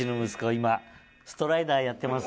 今ストライダーやってます。